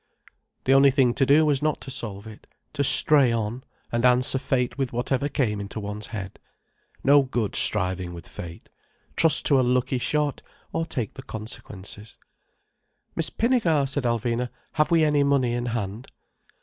The only thing to do was not to solve it: to stray on, and answer fate with whatever came into one's head. No good striving with fate. Trust to a lucky shot, or take the consequences. "Miss Pinnegar," said Alvina. "Have we any money in hand?"